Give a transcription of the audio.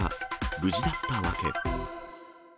無事だった訳。